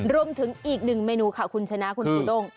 รวมถึงอีกหนึ่งเมนูค่ะคุณชนะคุณจูด้ง